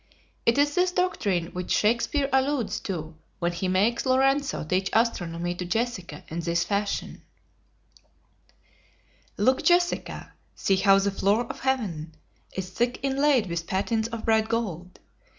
It is this doctrine which Shakspeare alludes to when he makes Lorenzo teach astronomy to Jessica in this fashion: "Look, Jessica, see how the floor of heaven Is thick inlaid with patines of bright gold!